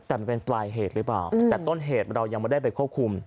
แต่มันเป็นปลายเหตุหรือเปล่าแต่ต้นเหตุเรายังไม่ได้ไปควบคุม